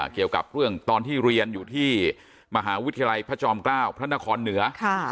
เกี่ยวกับเรื่องตอนที่เรียนอยู่ที่มหาวิทยาลัยพระจอมเกล้าพระนครเหนือ